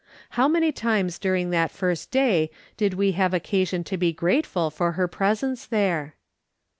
How many times during that first day did we have occasion to be grateful for her presence there